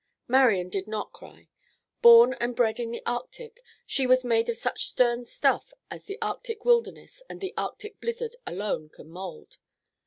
Marian did not cry. Born and bred in the Arctic, she was made of such stern stuff as the Arctic wilderness and the Arctic blizzard alone can mould.